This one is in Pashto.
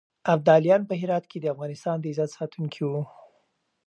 ابدالیان په هرات کې د افغانستان د عزت ساتونکي وو.